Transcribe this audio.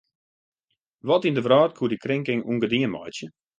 Wat yn de wrâld koe dy krinking ûngedien meitsje?